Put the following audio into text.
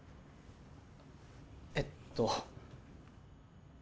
えっと。